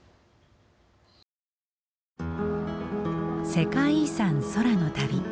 「世界遺産空の旅」